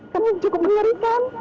kan ini cukup mengerikan